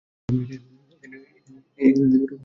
এখানে ভাল্লুক আছে!